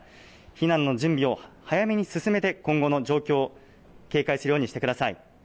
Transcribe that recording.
避難の準備を早めに進めて今後の状況、警戒するようにしてください。